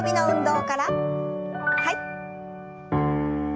はい。